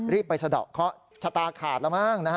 ไปสะดอกเคาะชะตาขาดแล้วมั้งนะฮะ